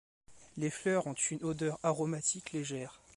Les fleurs ont une odeur aromatique légère.